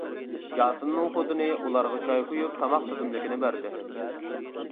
ياسىننىڭ خوتۇنى ئۇلارغا چاي قۇيۇپ تاماق تىزىملىكىنى بەردى.